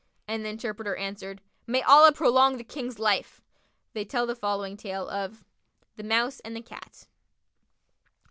and the interpreter answered "May Allah prolong the King's life! They tell the following tale of The Mouse and the Cat.